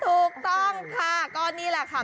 ถูกต้องค่ะก็นี่แหละค่ะ